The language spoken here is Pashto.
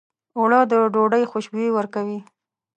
اوړه د ډوډۍ خوشبويي ورکوي